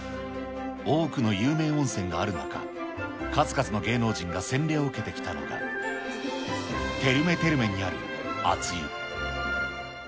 多くの有名温泉がある中、数々の芸能人が洗礼を受けてきたのが、テルメテルメにある熱湯。